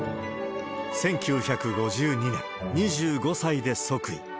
１９５２年、２５歳で即位。